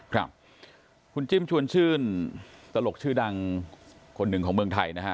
ครับคุณจิ้มชวนชื่นตลกชื่อดังคนหนึ่งของเมืองไทยนะฮะ